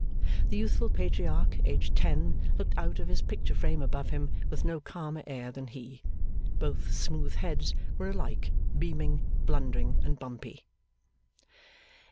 The youthful Patriarch, aged ten, looked out of his picture frame above him with no calmer air than he. Both smooth heads were alike beaming, blundering, and bumpy.